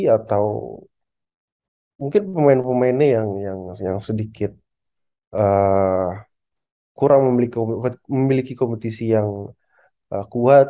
atau mungkin pemain pemainnya yang sedikit kurang memiliki kompetisi yang kuat